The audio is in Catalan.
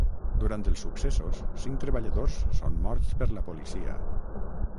Durant els successos, cinc treballadors són morts per la policia.